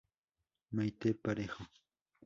Mayte Parejo.